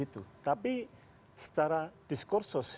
tapi secara diskursus